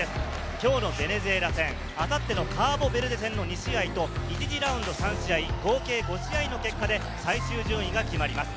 きょうのベネズエラ戦、あさってのカーボベルデ戦の２試合と１次ラウンド３試合、合計５試合の結果で最終順位が決まります。